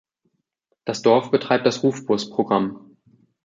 Das Dorf betreibt das „Rufbus“-Programm.